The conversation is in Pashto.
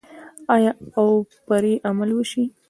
آیا او پرې عمل وشي؟